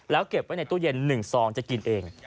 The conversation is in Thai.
แล้วเก็บไว้ในตู้เย็น๑ซองจะกินเอง